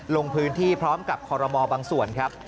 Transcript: ลงพื้นที่พร้อมกับคอรมอลบางส่วนครับ